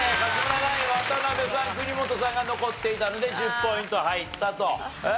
ナイン渡辺さん国本さんが残っていたので１０ポイント入ったと。